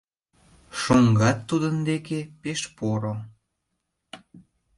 Шоҥгат тудын деке пеш поро.